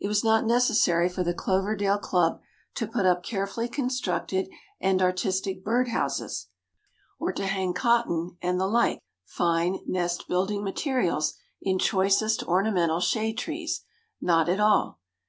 It was not necessary for the Cloverdale Club to put up carefully constructed and artistic bird houses, or to hang cotton and the like fine nest building materials in choicest ornamental shade trees—not at all.